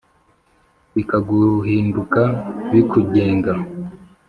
bikaguhinduka bikugenga